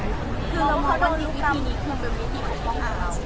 คือเรามองว่าวิธีนี้คือเป็นวิธีปกป้องของเรา